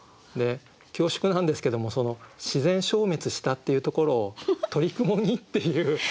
恐縮なんですけども自然消滅したっていうところを「鳥雲に」っていう。